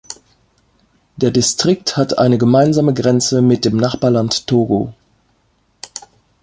Der Distrikt hat eine gemeinsame Grenze mit dem Nachbarland Togo.